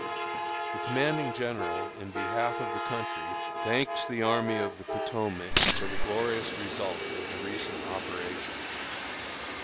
The commanding general, in behalf of the country, thanks the Army of the Potomac for the glorious result of the recent operations.